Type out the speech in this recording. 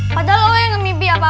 padahal yang tipe apa apa